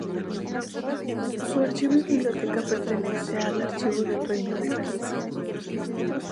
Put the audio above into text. Su archivo y biblioteca pertenece al Archivo del Reino de Galicia.